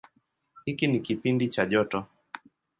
Hiki ni kipindi cha joto.